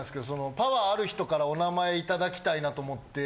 パワーある人からお名前頂きたいなと思って。